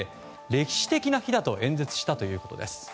歴史的な日だと演説したということです。